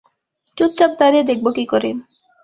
চুপচাপ দাঁড়িয়ে দেখবো কী করে?